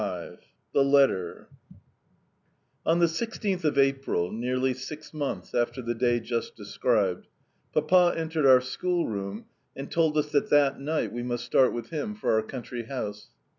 XXV THE LETTER ON the 16th of April, nearly six months after the day just described, Papa entered our schoolroom and told us that that night we must start with him for our country house.